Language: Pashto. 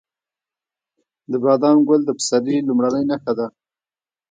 د بادام ګل د پسرلي لومړنی نښه ده.